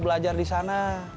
mau belajar disana